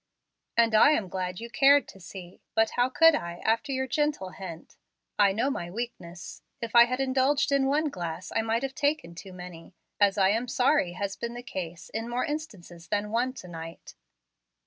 "And I am glad you cared to see. But how could I, after your gentle hint? I know my weakness. If I had indulged in one glass I might have taken too many, as I am sorry has been the case in more instances than one to night."